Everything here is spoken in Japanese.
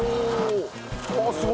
あっすごい勢い。